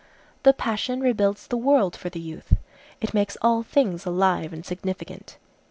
The passion rebuilds the world for the youth. It makes all things alive and significant.